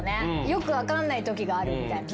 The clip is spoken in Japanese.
よく分かんないときがあるみたいな。